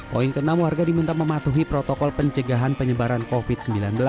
poin ke enam warga diminta mematuhi protokol pencegahan penyebaran covid sembilan belas